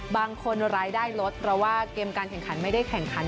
รายได้ลดเพราะว่าเกมการแข่งขันไม่ได้แข่งขัน